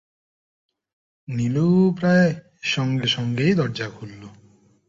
নীলু প্রায় সঙ্গে-সঙ্গেই দরজা খুলল।